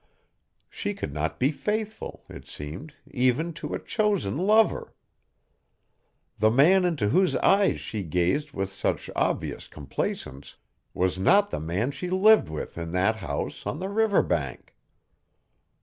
She could not be faithful, it seemed, even to a chosen lover. The man into whose eyes she gazed with such obvious complaisance was not the man she lived with in that house on the river bank.